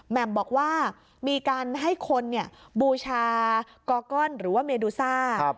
แหม่มบอกว่ามีการให้คนบูชากอก้อนหรือว่าเมดูซ่า